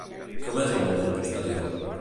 Com és el moment posterior?